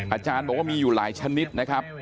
อาจารย์บอกว่ามีอยู่หลายชนิดนะครับ